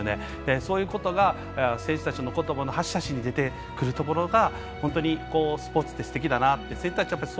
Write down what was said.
そういうことが選手たちのことばの端々に出てくるところがパラスポーツはすてきだなと。